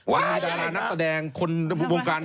แห่งดารานักแสดงคนหุ่มวงการ